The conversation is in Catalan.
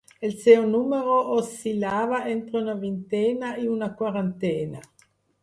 El seu número oscil·lava entre una vintena i una quarantena.